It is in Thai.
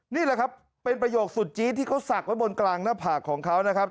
นี่แหละครับเป็นประโยคสุดจี๊ดที่เขาศักดิ์ไว้บนกลางหน้าผากของเขานะครับ